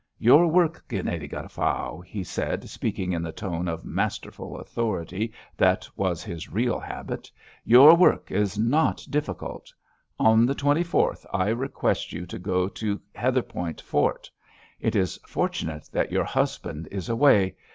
Your work, gnädige Frau," he said, speaking in the tone of masterful authority that was his real habit, "your work is not difficult. On the twenty fourth I request you to go to Heatherpoint Fort. It is fortunate that your husband is away.